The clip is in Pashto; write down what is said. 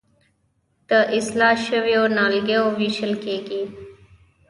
د اصلاح شویو نیالګیو ویشل کیږي.